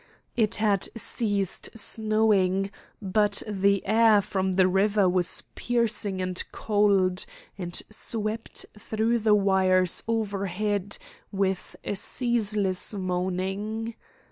It had ceased snowing, but the air from the river was piercing and cold, and swept through the wires overhead with a ceaseless moaning.